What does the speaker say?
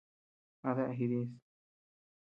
¿A dea jidis?